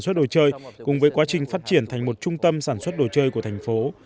sản xuất đồ chơi cùng với quá trình phát triển thành một trung tâm sản xuất đồ chơi của thành phố